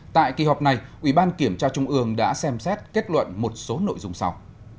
tại kỳ họp này ủy ban kiểm tra trung ương đã xem xét kết luận một số nội dung sau